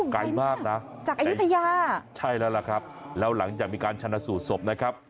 ไกลมากนะจากอายุทยาใช่แล้วล่ะครับแล้วหลังจากมีการชนะสูตรศพนะครับ